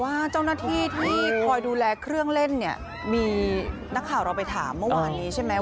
ว่าเจ้าหน้าที่ที่คอยดูแลเครื่องเล่นเนี่ยมีนักข่าวเราไปถามเมื่อวานนี้ใช่ไหม